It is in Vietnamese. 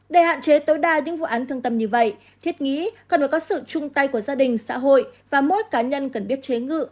để hạn chế tối đa những vụ án thương tâm như vậy thiết nghĩ cần phải có sự chung tay của gia đình xã hội và mỗi cá nhân cần biết chế ngự